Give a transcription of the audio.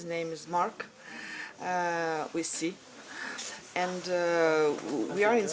pembangunan terbaik di dunia ini